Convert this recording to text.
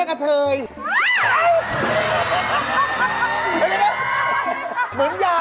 เสบงจุ้ยนะฮะ